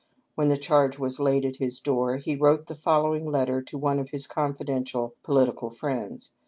When the charge was laid at his door he wrote the following letter to one of his confidential political friends.